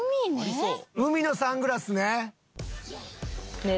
海のサングラスね。